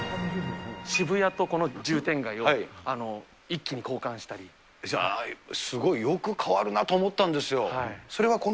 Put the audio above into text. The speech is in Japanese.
渋谷とこの渋天街を一気に交すごい、よく変わるなと思ったんですよ。